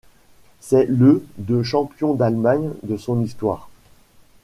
C'est le de champion d'Allemagne de son histoire.